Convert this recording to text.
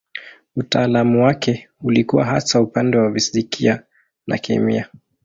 Utaalamu wake ulikuwa hasa upande wa fizikia na kemia.